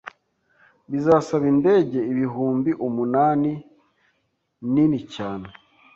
bizasaba indege ibihumbi umunani nini cyane